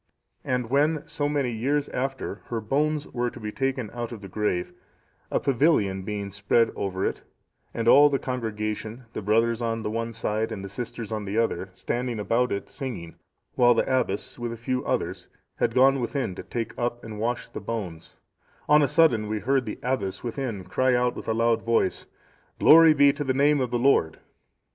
And when, so many years after, her bones were to be taken out of the grave, a pavilion being spread over it, and all the congregation, the brothers on the one side, and the sisters on the other, standing about it singing, while the abbess, with a few others, had gone within to take up and wash the bones, on a sudden we heard the abbess within cry out with a loud voice, 'Glory be to the name of the Lord.